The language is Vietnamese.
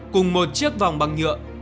cùng một chiếc vòng băng nhựa